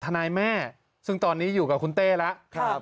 ทนายแม่ซึ่งตอนนี้อยู่กับคุณเต้แล้ว